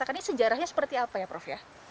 dan menceritakan sejarahnya seperti apa ya prof